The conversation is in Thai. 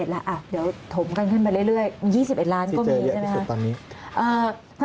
๒๑ล้านอ่ะเดี๋ยวถมกันขึ้นไปเรื่อย๒๑ล้านก็มีใช่ไหมคะ